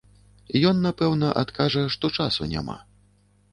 Ён, напэўна, адкажа, што часу няма.